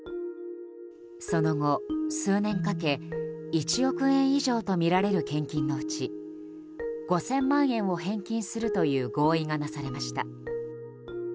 その後、数年かけ１億円以上とみられる献金のうち５０００万円を返金するという合意がなされました。